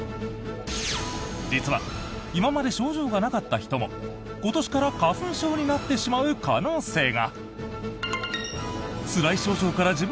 実は、今まで症状がなかった人も今年から花粉症になってしまう可能性が！